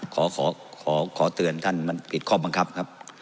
ขอขอเตือนท่านมันผิดข้อบังคับครับ